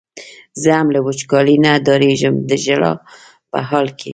زه هم له وچکالۍ نه ډارېږم د ژړا په حال کې.